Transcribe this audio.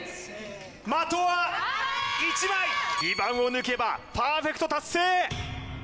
的は１枚２番を抜けばパーフェクト達成